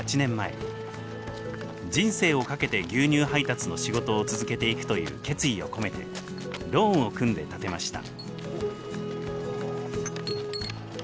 人生を懸けて牛乳配達の仕事を続けていくという決意を込めてローンを組んで建てました。